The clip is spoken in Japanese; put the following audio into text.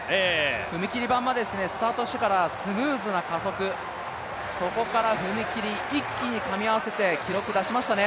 踏み切り板がスタートしてからスムーズな加速、そこから踏み切り、一気にかみ合わせて記録を出しましたね。